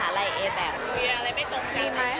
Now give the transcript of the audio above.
มีอะไรไม่สมกันมีมั้ย